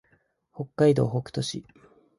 北海道北斗市